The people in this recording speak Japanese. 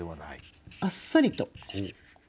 あっさりと。